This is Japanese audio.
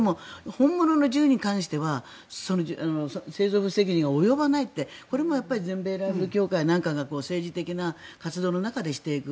本物の銃に関しては製造責任は及ばないってこれも全米ライフル協会なんかが政治的な活動の中でしていく。